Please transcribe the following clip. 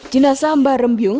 jinasah mbah remyung